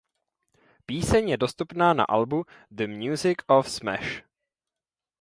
Píseň je dostupná na albu "The Music of Smash".